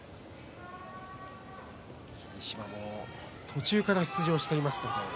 霧島も途中から出場しています。